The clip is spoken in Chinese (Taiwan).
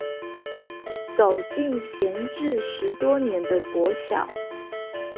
走進閒置十多年的國小